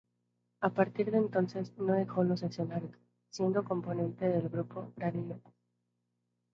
A partir de entonces, no dejó los escenarios, siendo componente del grupo "Ganímedes".